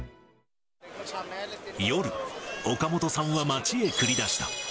夜、岡本さんは街へ繰り出した。